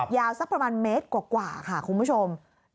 สักประมาณเมตรกว่าค่ะคุณผู้ชม